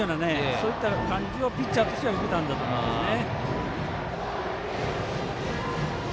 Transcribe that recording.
そういった感じをピッチャーとしては受けたんだと思いますね。